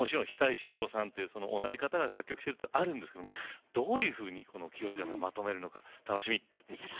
もちろんあの久石譲さんという同じ方が作曲というのはあるんですけどどういうふうに清塚さんがまとめるのか楽しみ。